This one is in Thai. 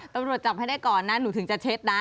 ตำรวจจับให้ได้ก่อนนะหนูถึงจะเช็ดนะ